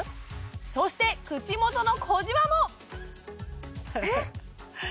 そして口元の小じわもえ！？